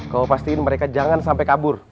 kamu pastiin mereka jangan sampai kabur